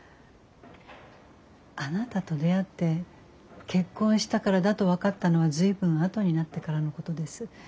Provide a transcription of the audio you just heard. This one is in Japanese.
あなたと出会って結婚したからだと分かったのは随分後になってからのことです。